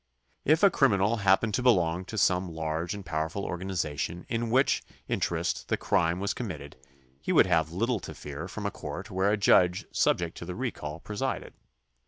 If a criminal happened to belong to some large and powerful organization in whose interest the crime was committed he would have little to fear from a court where a judge subject to the recall presided.